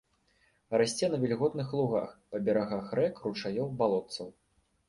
Расце на вільготных лугах, па берагах рэк, ручаёў, балотцаў.